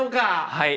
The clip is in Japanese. はい。